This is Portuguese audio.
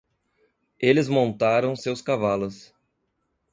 Eles montaram seus cavalos.